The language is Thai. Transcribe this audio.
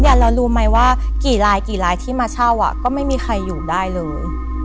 เรารู้ไหมว่ากี่ลายกี่ลายที่มาเช่าก็ไม่มีใครอยู่ได้เลย